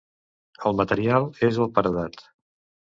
El material és el paredat.